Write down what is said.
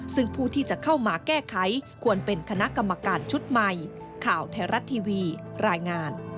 ซึ่งผู้ที่จะเข้ามาแก้ไขควรเป็นคณะกรรมการชุดใหม่